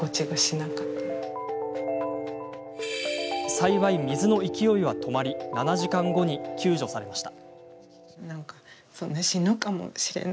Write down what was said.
幸い、水の勢いは止まり７時間後に救助されました。